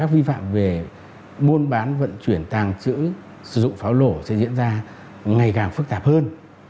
vận chuyển tạng chữ sử dụng pháo nổ sẽ diễn ra ngày càng phức tạp hơn